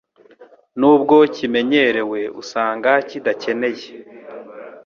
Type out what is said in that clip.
nubwo kimenyerewe usanga kidakeneye